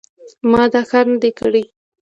ما دا کار نه دی کړی.